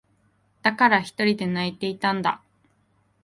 だから、ひとりで泣いていたんだ。